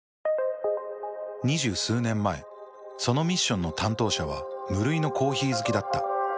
２０数年前そのミッションの担当者は無類のコーヒー好きだった。